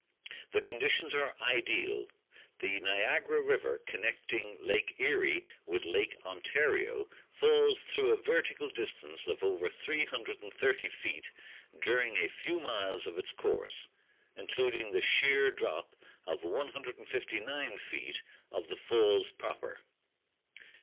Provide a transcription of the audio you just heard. The conditions are ideal. The Niagara River, connecting Lake Erie with Lake Ontario, falls through a vertical distance of over 330 feet during a few miles of its course, including the sheer drop of 159 feet of the Falls proper.